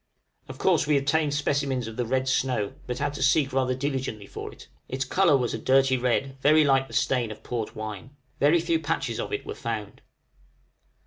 Of course we obtained specimens of the red snow, but had to seek rather diligently for it; its color was a dirty red, very like the stain of port wine: very few patches of it were found.